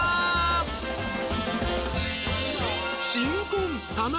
［新婚田中。